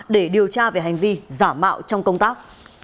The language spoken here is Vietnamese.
để điều tra về hành vi giả mạo trong công tác